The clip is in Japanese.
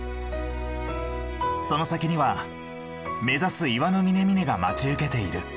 その先には目指す岩の峰々が待ち受けている。